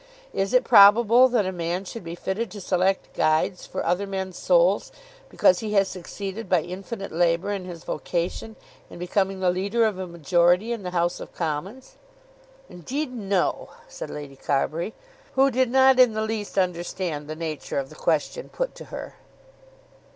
Is it probable that a man should be fitted to select guides for other men's souls because he has succeeded by infinite labour in his vocation in becoming the leader of a majority in the House of Commons?" "Indeed, no," said Lady Carbury, who did not in the least understand the nature of the question put to her.